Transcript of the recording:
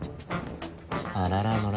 あららのら